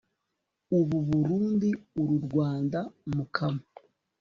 ubu burundi (uru rwanda) mukama